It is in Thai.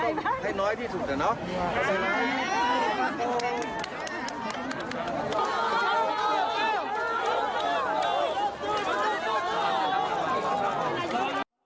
แล้วก็ให้น้อยที่ถูกแต่เนาะ